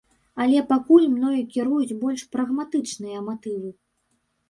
Але пакуль мною кіруюць больш прагматычныя матывы.